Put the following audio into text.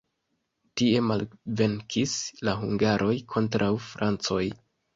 Tie malvenkis la hungaroj kontraŭ francoj.